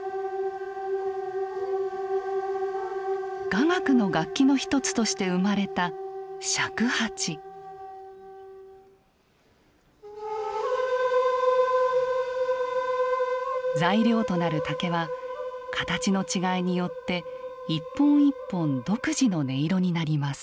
雅楽の楽器の一つとして生まれた材料となる竹は形の違いによって一本一本独自の音色になります。